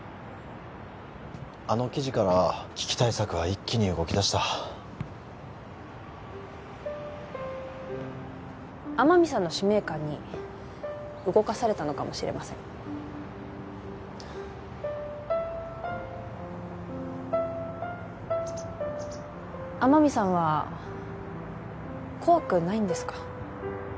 あの記事から危機対策が一気に動きだした天海さんの使命感に動かされたのかもしれません天海さんは怖くないんですか？